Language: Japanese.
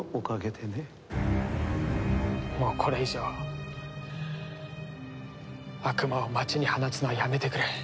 もうこれ以上悪魔を街に放つのはやめてくれ。